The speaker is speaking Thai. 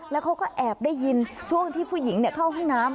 แล้วเขาก็แอบได้ยินช่วงที่ผู้หญิงเข้าห้องน้ำ